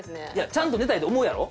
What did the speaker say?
ちゃんと寝たいと思うやろ？